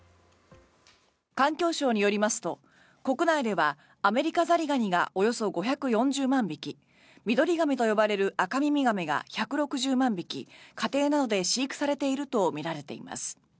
環境省によりますと国内ではアメリカザリガニがおよそ５４０万匹ミドリガメと呼ばれるアカミミガメが１６０万匹家庭などで飼育されているとみられています。